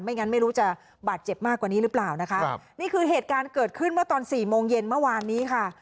งั้นไม่รู้จะบาดเจ็บมากกว่านี้หรือเปล่านะคะครับนี่คือเหตุการณ์เกิดขึ้นเมื่อตอนสี่โมงเย็นเมื่อวานนี้ค่ะ